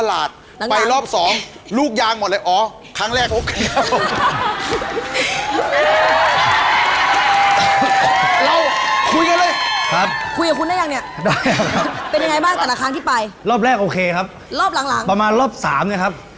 เราไปดูโกรเดนไอเทมที่ไม่มีใครเลือกแล้วกันนะครับ